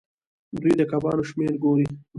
دوی د کبانو شمیر ګوري.